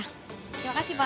terima kasih pak